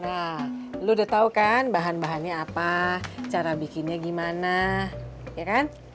nah lu udah tau kan bahan bahannya apa cara bikinnya gimana ya kan